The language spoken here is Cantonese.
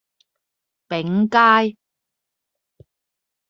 昺街